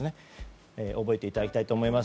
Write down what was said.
覚えていただきたいと思います。